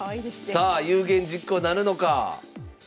さあ有言実行なるのか！